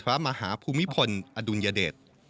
มหาภูมิพลอดุลยเดช